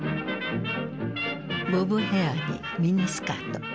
ボブヘアにミニスカート。